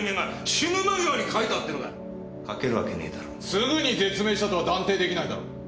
すぐに絶命したとは断定できないだろ。